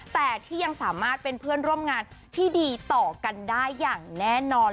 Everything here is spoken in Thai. แต่ที่ยังสามารถเป็นเพื่อนร่วมงานที่ดีต่อกันได้อย่างแน่นอน